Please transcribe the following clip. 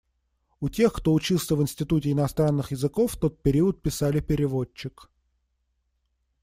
У тех, кто учился в Институте иностранных языков в тот период писали «переводчик».